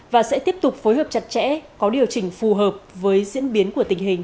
và sẽ tiếp tục phối hợp chặt chẽ có điều chỉnh phù hợp với diễn biến của tình hình